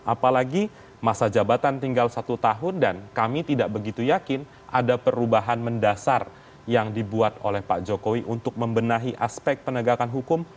apalagi masa jabatan tinggal satu tahun dan kami tidak begitu yakin ada perubahan mendasar yang dibuat oleh pak jokowi untuk membenahi aspek penegakan hukum